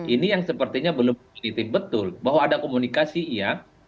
ini yang sepertinya belum positif betul bahwa ada komunikasi iya